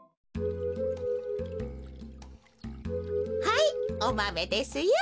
はいおマメですよ。